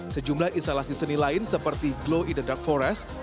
sejumlah instalasi seni lain seperti glow e the dark forest